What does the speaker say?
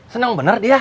seneng bener dia